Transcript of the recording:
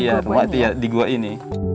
iya rumahnya di gua ini